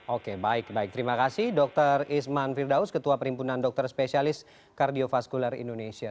oke baik terima kasih dr isman firdaus ketua perimpunan dokter spesialis kardiofaskular indonesia